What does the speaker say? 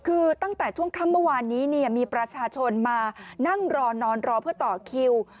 คือตั้งแต่ช่วงค่ำเมื่อวานนี้เนี่ยมีประชาชนมานั่งรอนอนรอเพื่อต่อคิว